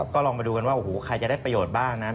ก็ลองมาดูกันว่าโอ้โหใครจะได้ประโยชน์บ้างนะ